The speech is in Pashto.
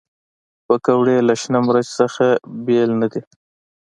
پکورې له شنه مرچ نه بېل نه دي